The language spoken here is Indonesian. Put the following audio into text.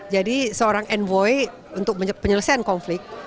jadi seorang envoy untuk penyelesaian konflik